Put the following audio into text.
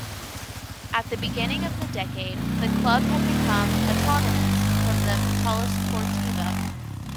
At the beginning of the decade, the club had become autonomous from the Polisportiva.